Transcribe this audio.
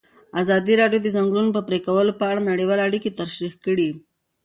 ازادي راډیو د د ځنګلونو پرېکول په اړه نړیوالې اړیکې تشریح کړي.